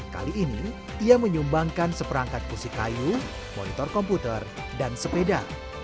kali ini ia menyumbangkan seperangkat kusi kayu monitor komputer dan sepeda